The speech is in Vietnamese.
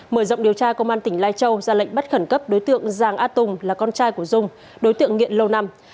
mở rộng điều tra công an tỉnh lai châu ra lệnh bắt khẩn cấp đối tượng giàng a tùng là con trai của dung đối tượng nghiện lâu năm